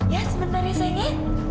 ya sebenarnya sayangnya